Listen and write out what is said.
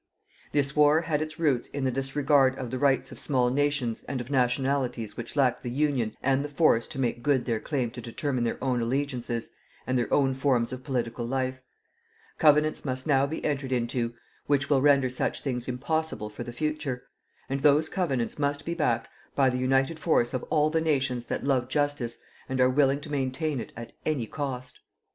"This war had its roots in the disregard of the rights of small nations and of nationalities which lacked the union and the force to make good their claim to determine their own allegiances and their own forms of political life. Covenants must now be entered into which will render such things impossible for the future; and those covenants must be backed by the united force of all the nations that love justice and are willing to maintain it at any cost.